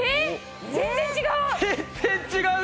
全然違う！